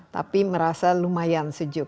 tapi merasa lumayan sejuk